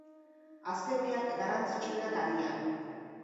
Azken biak, garrantzitsuenak agian.